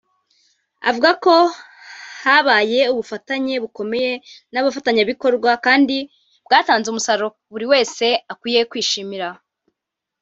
avuga ko habaye ubufatanye bukomeye n’abafatanyabikorwa kandi bwatanze umusaruro buri wese akwiye kwishimira